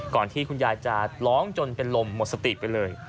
ที่คุณยายจะร้องจนเป็นลมหมดสติไปเลย